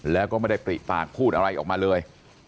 แล้วก็ไม่ได้ปริปากพูดอะไรออกมาเลย